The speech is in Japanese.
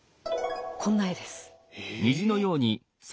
こんな絵です。